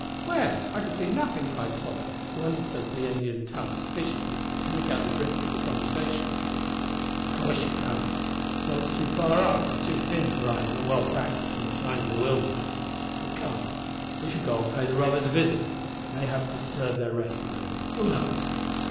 "Where? I can see nothing," cried Tolly, who understood the Indian tongue sufficiently to make out the drift of the conversation. "Of course ye can't; the smoke is too far off an' too thin for eyes not well practised in the signs o' the wilderness. But come; we shall go and pay the robbers a visit; mayhap disturb their rest a little who knows!"